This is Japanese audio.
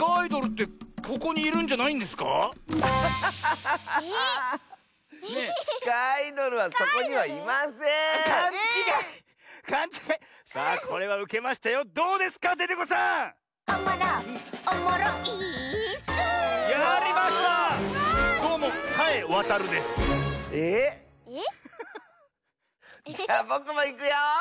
じゃぼくもいくよ！